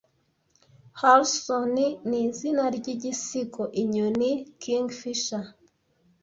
Halcyon nizina ryigisigo inyoni Kingfisher